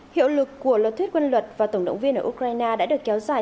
hiệu lực của luật thuyết quân luật và tổng động viên ở ukraine đã được kéo dài